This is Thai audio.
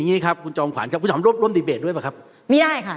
แล้วคะคุณจอมขวานรบหลบดีเบสด้วยป่ะไม่ได้ค่ะ